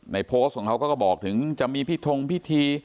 โพสต์ของเขาก็บอกถึงจะมีพิทงพิธี